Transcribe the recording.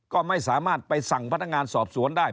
ก็ไม่สามารถไปสั่งพนักงานสอบสวนได้